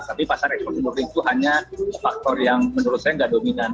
tapi pasar ekspor itu hanya faktor yang menurut saya tidak dominan